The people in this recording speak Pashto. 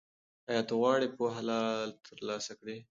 ایا ته غواړې پوهه ترلاسه کړې؟